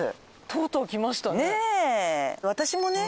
とうとう来ましたね。